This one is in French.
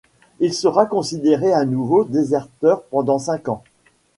Il sera considéré à nouveau déserteur pendant cinq ans.